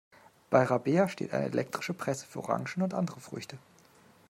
Bei Rabea steht eine elektrische Presse für Orangen und andere Früchte.